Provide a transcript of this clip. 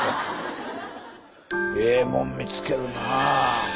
ええもん見つけるなぁ。